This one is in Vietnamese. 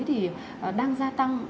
thì đang gia tăng